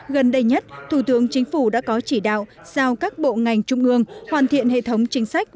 gần đây nhất thủ tướng chính phủ đã có chỉ đạo giao các bộ ngành trung ương hoàn thiện hệ thống chính sách